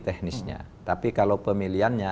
teknisnya tapi kalau pemilihannya